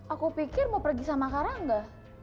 aku pikir mau pergi sama kak rangga